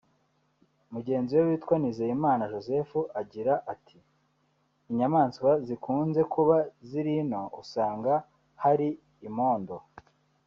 Mugenzi we witwa Nizeyimana Joseph agira ati “inyamaswa zikunze kuba ziri ino usanga hari imondo